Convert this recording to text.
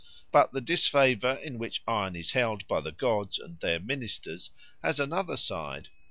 But the disfavour in which iron is held by the gods and their ministers has another side.